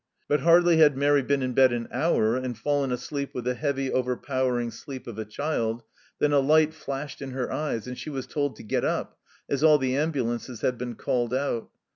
But hardly had Mairi been in bed an hour, and fallen asleep with the heavy overpowering sleep of a child, than a light flashed in her eyes and she was told to get up, as all the ambulances had been called out.